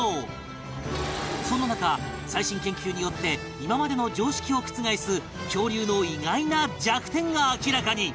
そんな中最新研究によって今までの常識を覆す恐竜の意外な弱点が明らかに